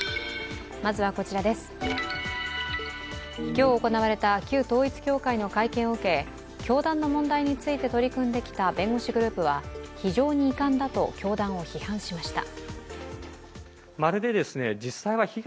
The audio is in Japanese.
今日、行われた旧統一教会の会見を受け教団の問題について取り組んできた弁護士グループは非常に遺憾だと教団を批判しました。